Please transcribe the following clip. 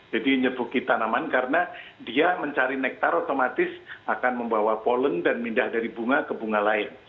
jadi menyebuki tanaman karena dia mencari nektar otomatis akan membawa pollen dan pindah dari bunga ke bunga lain